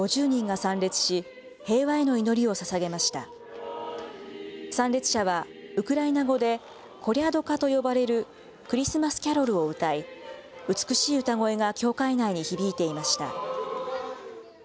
参列者はウクライナ語でコリャドカと呼ばれるクリスマスキャロルを歌い、美しい歌声が教会内に響いていました。